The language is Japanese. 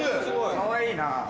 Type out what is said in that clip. かわいい！